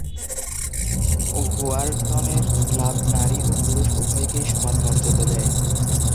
হোয়ার্টনের club নারী ও পুরুষ উভয়কেই সমান মর্যাদা দেয়।